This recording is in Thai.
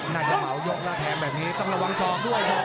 น่าจะเหมายกล้าแทงแบบนี้ต้องระวังซอง